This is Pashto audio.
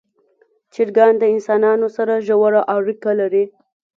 چرګان د انسانانو سره ژوره اړیکه لري.